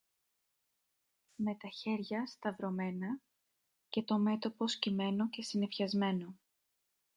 με τα χέρια σταυρωμένα και το μέτωπο σκυμμένο και συννεφιασμένο